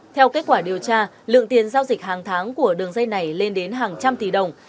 theo kết quả điều tra lượng tiền giao dịch hàng tháng của đường dây này lên đến hàng trăm tỷ đồng